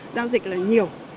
giao dịch là nhiều